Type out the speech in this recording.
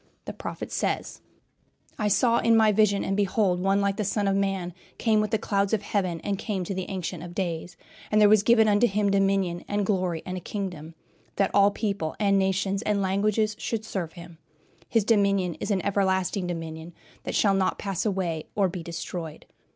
The prophet says: "I saw in my vision, and, behold, One like the Son of man came with the clouds of heaven, and came to the Ancient of days; and there was given unto him dominion and glory and a kingdom, that all people and nations and languages should serve him. His dominion is an everlasting dominion, that shall not pass away or be destroyed."